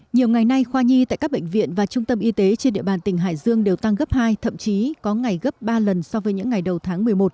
nhiều ngày nay khoa nhi tại các bệnh viện và trung tâm y tế trên địa bàn tỉnh hải dương đều tăng gấp hai thậm chí có ngày gấp ba lần so với những ngày đầu tháng một mươi một